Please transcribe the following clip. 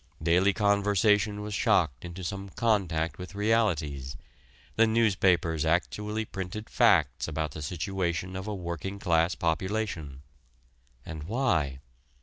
Daily conversation was shocked into some contact with realities the newspapers actually printed facts about the situation of a working class population. And why?